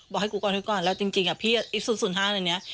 บอกให้กูก่อนก่อนแล้วจริงพี่อีกศูนย์ศูนย์ห้านอันนี้